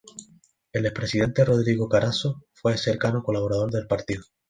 El expresidente Rodrigo Carazo fue cercano colaborador del partido.